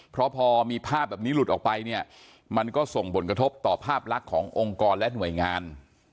เพราะพอมีภาพแบบนี้หลุดออกไปเนี่ยมันก็ส่งผลกระทบต่อภาพลักษณ์ขององค์กรและหน่วยงาน